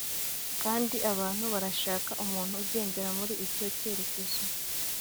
Kandi abantu barashaka umuntu ugendera muri icyo cyerekezo